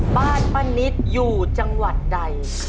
บ้านป้านิตอยู่จังหวัดใด